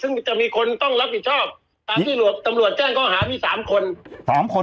ซึ่งจะมีคนต้องรับผิดชอบตามที่ตำรวจแจ้งข้อหามี๓คน๓คน